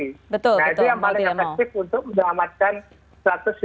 nah itu yang paling efektif untuk menyelamatkan rp satu ratus sembilan puluh delapan triliun